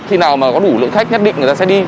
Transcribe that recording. khi nào mà có đủ lượng khách nhất định người ta sẽ đi